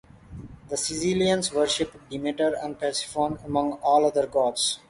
The Sicilians worshiped Demeter and Persephone among all other gods.